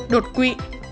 năm đột quỵ